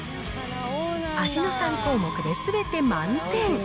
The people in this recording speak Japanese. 味の３項目ですべて満点。